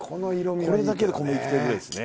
これだけで米いきたいぐらいですね。